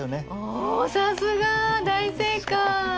おおさすが大正解！